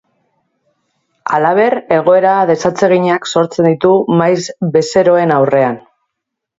Halaber, egoera desatseginak sortzen ditu maiz bezeroen aurrean.